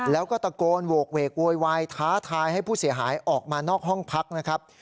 แล้วก็ตะโกนโหกเวกโวยวายท้าทายให้ผู้เสียหายออกมานอกห้องพักนะครับ